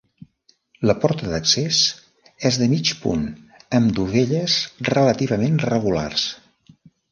La porta d'accés és de mig punt amb dovelles relativament regulars.